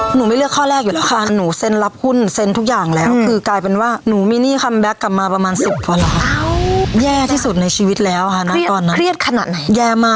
หนูไม่เลือกข้อแรกอยู่แล้วค่ะ